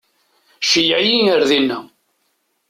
Ceyyeɛ-iyi ar dina.